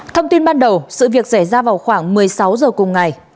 thông tin ban đầu sự việc xảy ra vào khoảng một mươi sáu h cùng ngày